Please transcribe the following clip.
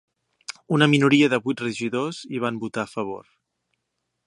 Una minoria de vuit regidors hi van votar a favor.